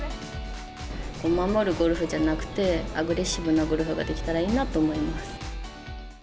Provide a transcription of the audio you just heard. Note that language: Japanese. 守るゴルフじゃなくて、アグレッシブなゴルフができたらいいなと思います。